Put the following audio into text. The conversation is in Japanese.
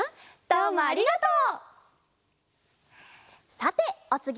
どうもありがとう。